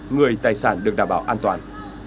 người tài sản được đảm bảo an toàn